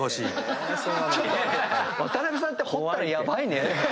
⁉渡辺さんって掘ったらヤバい。